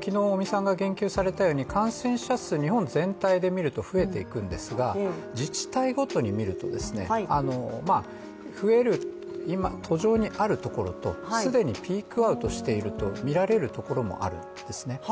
昨日、尾身さんが言及されたように感染者数、日本全体で見ると増えていくんですが自治体ごとに見ると、増える途上にあるところと既にピークアウトしているとみられるところもあるんですね。